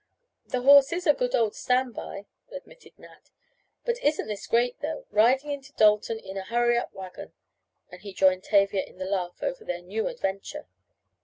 "The horse is a good old stand by," admitted Nat. "But isn't this great, though! Riding into Dalton in the hurry up wagon!" and he joined Tavia in the laugh over their new adventure.